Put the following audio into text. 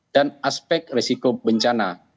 dan aspek risiko bencana